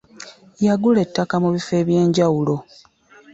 Yagula ettaka mu bifo eby'enjawulo.